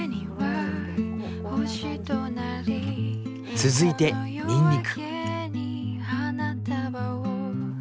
続いてにんにく。